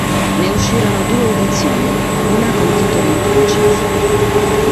Ne uscirono due edizioni, una con titoli in francese.